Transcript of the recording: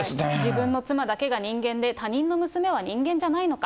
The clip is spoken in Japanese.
自分の妻だけが人間で他人の娘は人間じゃないのか。